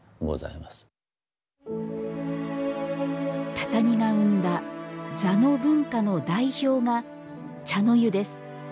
畳が生んだ「座の文化」の代表が茶の湯です。